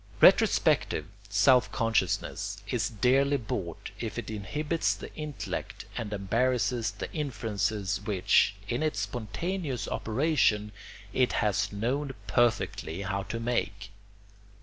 Retrospective self consciousness is dearly bought if it inhibits the intellect and embarrasses the inferences which, in its spontaneous operation, it has known perfectly how to make.